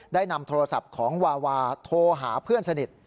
ได้นำโทรศัพท์ของวาวาโทรหาเพื่อนสนิท